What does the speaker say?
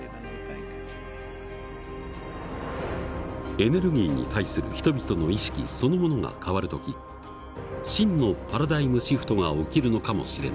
エネルギーに対する人々の意識そのものが変わる時真のパラダイムシフトが起きるのかもしれない。